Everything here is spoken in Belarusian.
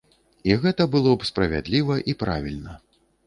І гэта было б справядліва і правільна.